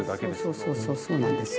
そうそうそうそうなんですよ。